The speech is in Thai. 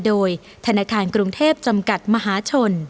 โดยธนาคารกรุงเทพจำกัดมหาชน